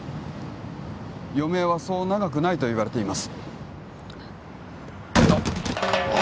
「余命はそう長くない」と言われています